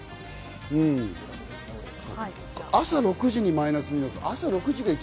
朝６時にマイナス２度です。